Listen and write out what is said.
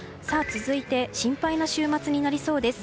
続いて、心配な週末になりそうです。